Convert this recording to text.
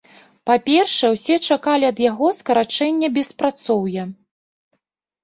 Па-першае, усе чакалі ад яго скарачэння беспрацоўя.